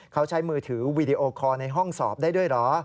เขาใช้มือถือวีดีโอคอลในห้องสอบได้ด้วยเหรอ